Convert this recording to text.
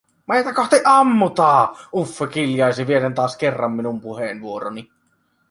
"Meitä kohti ammutaa!", Uffe kiljaisi vieden taas kerran minun puheenvuoroni.